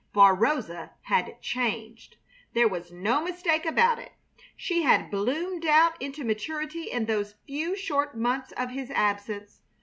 For Rosa had changed. There was no mistake about it. She had bloomed out into maturity in those few short months of his absence.